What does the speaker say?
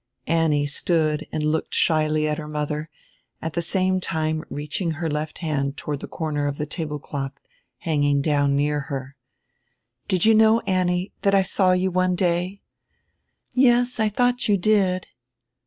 Annie stood and looked shyly at her mother, at die same time reaching her left hand toward die corner of the table cloth hanging down near her. "Did you know, Annie, that I saw you one day?" "Yes, I thought you did."